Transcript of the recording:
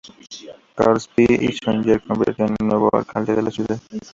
Carles Pi i Sunyer se convirtió en el nuevo alcalde de la ciudad.